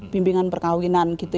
bimbingan perkawinan gitu